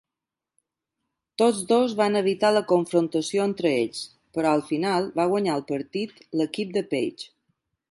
Tots dos van evitar la confrontació entre ells, però al final va guanyar el partit l'equip de Page.